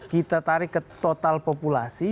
kita tarik ke total populasi